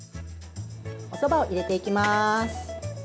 おそばを入れていきます。